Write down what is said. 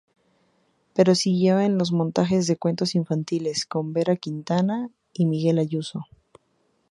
Pero siguió en los montajes de cuentos infantiles, con Vera Quintana y Miguel Ayuso.